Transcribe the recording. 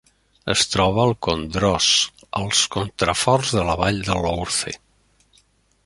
Es troba al Condroz, als contraforts de la vall de l'Ourthe.